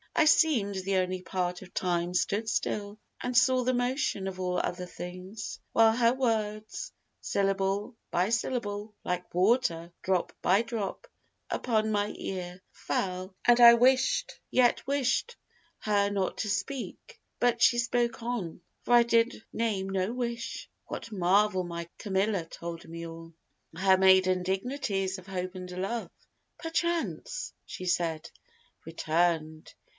I seem'd the only part of Time stood still, And saw the motion of all other things; While her words, syllable by syllable, Like water, drop by drop, upon my ear Fell, and I wish'd, yet wish'd her not to speak, But she spoke on, for I did name no wish. What marvel my Camilla told me all Her maiden dignities of Hope and Love, 'Perchance' she said 'return'd.'